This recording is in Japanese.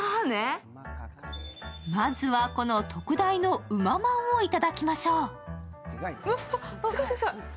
まずは、この特大の馬まんを頂きましょう。